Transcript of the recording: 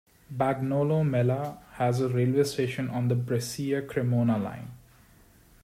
Bagnolo Mella has a railway station on the Brescia-Cremona line.